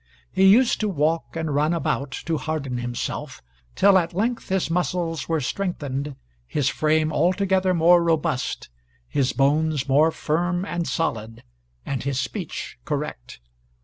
He used to walk and run about to harden himself, till at length his muscles were strengthened, his frame altogether more robust, his bones more firm and solid, and his speech correct.